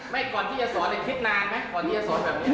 ไม่ก่อนที่จะสอนคิดนานไหม